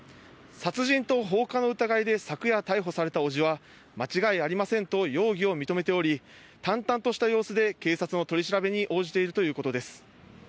殺人と放火の疑いで昨夜逮捕された伯父は間違いありませんと容疑を認めており、淡々とした様子で警察の取り調べに応じているということです。